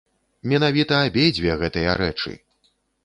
Менавіта абедзве гэтыя рэчы!